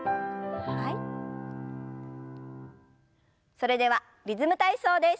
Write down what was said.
それでは「リズム体操」です。